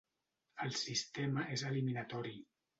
El sistema és eliminatori.